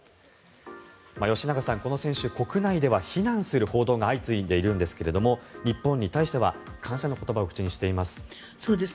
吉永さん、この選手は国内では非難する報道が相次いでいるんですけども日本に対しては感謝の言葉を口にしています。